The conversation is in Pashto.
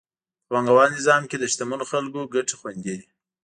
په پانګوال نظام کې د شتمنو خلکو ګټې خوندي دي.